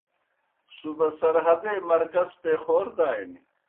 صوبہ سرحدے مرکز پیخور دانیْ۔